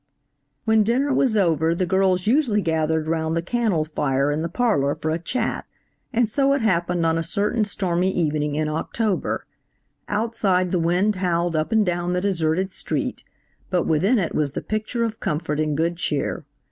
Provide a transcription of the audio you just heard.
WHEN dinner was over the girls usually gathered round the cannel fire in the parlor for a chat, and so it happened on a certain stormy evening in October. Outside the wind howled up and down the deserted street, but within it was the picture of comfort and good cheer.